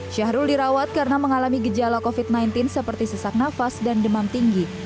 syahrul dirawat karena mengalami gejala covid sembilan belas seperti sesak nafas dan demam tinggi